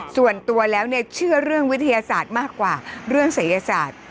ส่วนตัวแล้วเชื่อเรื่องวิทยาศาสตร์มากกว่าเรื่องศัยศาสตร์